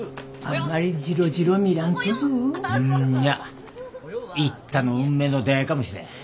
んにゃ一太の運命の出会いかもしれん。